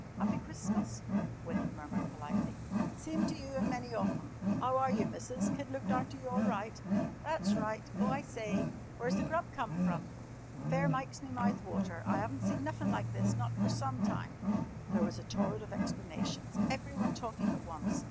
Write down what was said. "Happy Christmas," William murmured politely. "Sime to you an' many of them. 'Ow are you, Missus? Kid looked arter you all right? That's right. Oh, I sye! Where's the grub come from? Fair mikes me mouth water. I 'aven't seen nuffin' like this not fer some time!" There was a torrent of explanations, everyone talking at once.